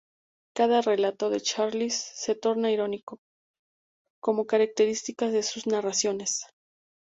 Cada relato de Charles se torna irónico, como característica de sus narraciones.